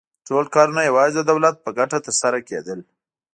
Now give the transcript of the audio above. ټول کارونه یوازې د دولت په ګټه ترسره کېدل